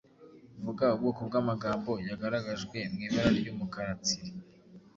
Vuga ubwoko bw’amagambo yagaragajwe mu ibara ry’umukara tsiri